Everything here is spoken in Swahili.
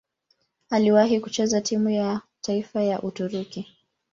Aliwahi kucheza timu ya taifa ya Uturuki.